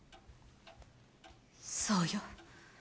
そうよ。